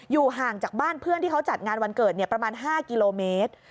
ห่างจากบ้านเพื่อนที่เขาจัดงานวันเกิดประมาณ๕กิโลเมตร